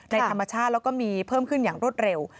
ในธรรมชาติแล้วก็มีเพิ่มขึ้นอย่างรวดเร็ว